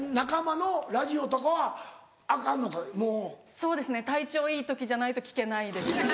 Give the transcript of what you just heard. そうですね体調いい時じゃないと聴けないです。